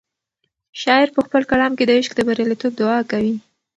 شاعر په خپل کلام کې د عشق د بریالیتوب دعا کوي.